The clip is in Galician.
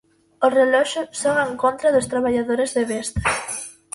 O reloxo xoga en contra dos traballadores de Vestas.